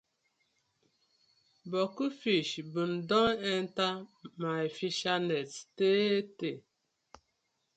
Boku fish been don enter my fishernet tey tey.